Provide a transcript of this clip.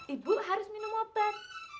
ibu harus minum obat